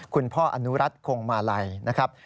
คุณพ่ออนุรัติคงมาลัยนะครับ